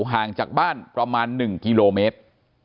ห่างจากบ้านประมาณ๑กิโลเมตร